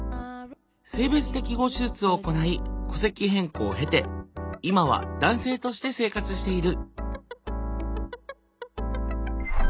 性別適合手術を行い戸籍変更を経て今は男性として生活している。